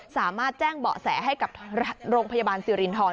สามารถแจ้งเบาะแสให้กับโรงพยาบาลสิรินทร